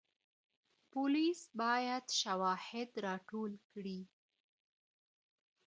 پولیس باید شواهد راټول کړي.